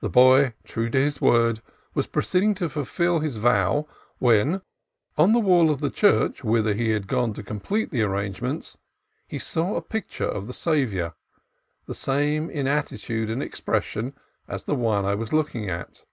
The boy, true to his word, was proceeding to fulfil his vow, when, on the wall of the church whither he had gone to complete the arrange ments, he saw a picture of the Saviour, the same, in attitude and expression, as the one I was looking at.